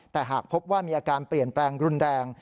แต่หากพบว่ามีอาการเปลี่ยนแปลงรุนแรง